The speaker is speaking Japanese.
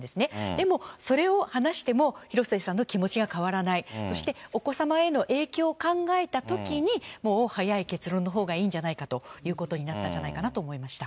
でもそれを話しても、広末さんの気持ちが変わらない、そしてお子様への影響を考えたときに、もう早い結論のほうがいいんじゃないかということになったんじゃないかなと思いました。